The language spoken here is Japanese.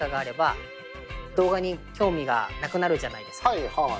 はいはい。